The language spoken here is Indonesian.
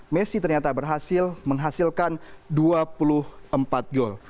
messi ternyata berhasil menghasilkan dua puluh empat gol